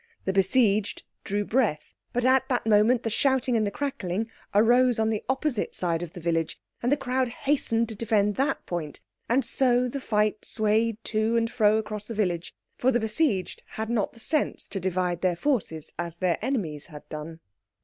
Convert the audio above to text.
The besieged drew breath, but at that moment the shouting and the crackling arose on the opposite side of the village and the crowd hastened to defend that point, and so the fight swayed to and fro across the village, for the besieged had not the sense to divide their forces as their enemies had done.